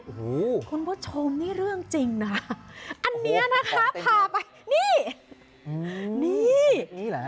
โอ้โหคุณผู้ชมนี่เรื่องจริงนะอันเนี้ยนะคะพาไปนี่นี่เหรอฮะ